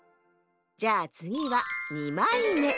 じゃあつぎは２まいめ。